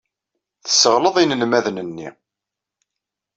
Tesseɣleḍ inelmaden-nni.